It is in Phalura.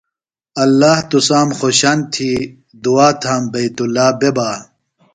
ﷲ تُسام خوشن تھی دعا تھام بیت ﷲ بے بہ۔